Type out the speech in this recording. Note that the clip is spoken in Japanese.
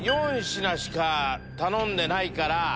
４品しか頼んでないから。